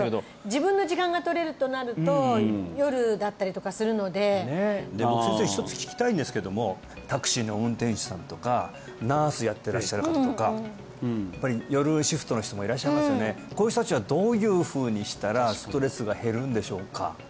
自分の時間が取れるとなると夜だったりとかするので先生一つ聞きたいんですけどもタクシーの運転手さんとかナースやってらっしゃる方とかやっぱり夜シフトの人もいらっしゃいますよねこういう人達はどういうふうにしたらストレスが減るんでしょうか？